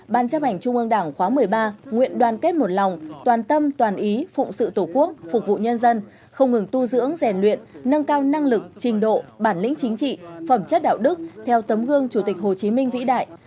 ban chấp hành trung ương đảng khóa một mươi ba nguyện đoàn kết một lòng toàn tâm toàn ý phụng sự tổ quốc phục vụ nhân dân không ngừng tu dưỡng rèn luyện nâng cao năng lực trình độ bản lĩnh chính trị phẩm chất đạo đức theo tấm gương chủ tịch hồ chí minh vĩ đại